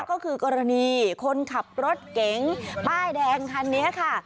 ก็คือกรณีคนขับรถเก๋งป้ายแดงคันนี้ค่ะ